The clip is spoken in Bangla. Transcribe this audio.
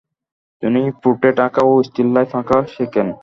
তিনি পোর্ট্রেট আঁকা ও স্টিল লাইফ আঁকা শেখেন।